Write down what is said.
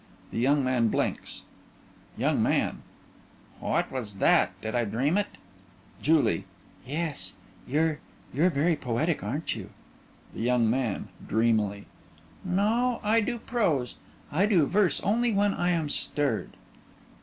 The young man blinks_) YOUNG MAN: What was that? Did I dream it? JULIE: Yes. You're you're very poetic, aren't you? THE YOUNG MAN: (Dreamily) No. I do prose. I do verse only when I am stirred.